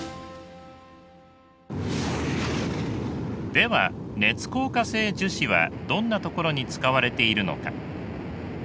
では熱硬化性樹脂はどんな所に使われているのか？